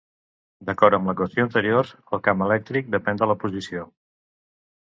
D'acord amb l'equació anterior, el camp elèctric depèn de la posició.